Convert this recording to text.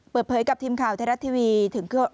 เปิดเผยกับทีมข่าวราชที่ธรรมนี้จากเอาหน่อย